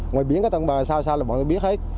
ngoài biển có tầng bà sao sao là bọn tôi biết hết